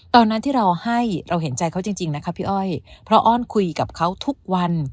ตอนนั้นที่เราให้เราเห็นใจเขาจริงนะคะพี่อ้อยเพราะอ้อนคุยกับเขาทุกวัน